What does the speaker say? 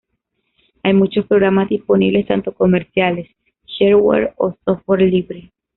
Hay muchos programas disponibles, tanto comerciales, shareware o software libre.